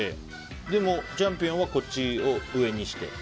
チャンピオンはこっちを上にして。